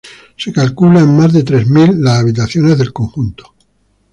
Se calcula en más de tres mil las habitaciones del conjunto.